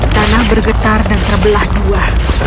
tanah bergetar dan terbelah dua